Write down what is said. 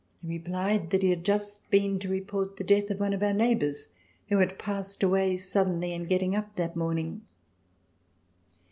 He replied that he had just been to report the death of one of our neighbors who had passed away suddenly in getting up that morning.